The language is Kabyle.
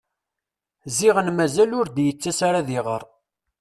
Ziɣen mazal ur d-t-yettas ara ad iɣer.